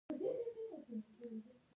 په نړۍ کې د تمدنونو اساس او بنسټ علم دی.